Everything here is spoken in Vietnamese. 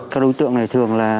các đối tượng này thường là